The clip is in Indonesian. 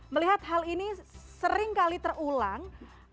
melihat hal ini sering kali terulang